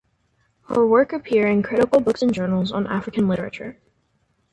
Her work appear in critical books and journals on African literature.